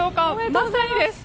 まさにです。